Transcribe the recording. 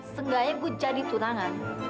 seenggaknya gua jadi tunangan